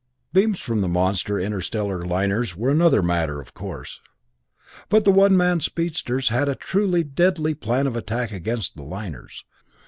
Beams from the monster interstellar liners were another matter, of course. But the one man speedsters had a truly deadly plan of attack against the liners.